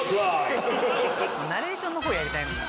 「ナレーションの方をやりたい？」